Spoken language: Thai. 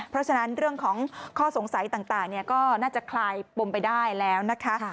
เพราะฉะนั้นเรื่องของข้อสงสัยต่างก็น่าจะคลายปมไปได้แล้วนะคะ